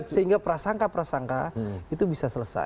sehingga prasangka prasangka itu bisa selesai